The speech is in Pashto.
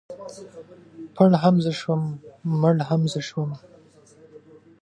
ـ پړ هم زه شوم مړ هم زه شوم.